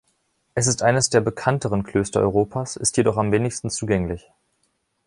Es ist eines der bekannteren Klöster Europas, ist jedoch am wenigsten zugänglich.